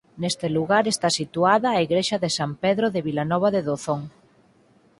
Neste lugar está situada a Igrexa de San Pedro de Vilanova de Dozón.